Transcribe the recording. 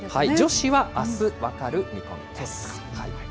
女子はあす分かる見込みです。